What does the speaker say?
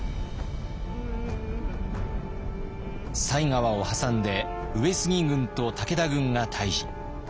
犀川を挟んで上杉軍と武田軍が対峙。